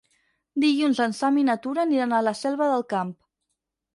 Dilluns en Sam i na Tura aniran a la Selva del Camp.